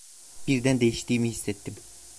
Birden değiştiğimi hissettim…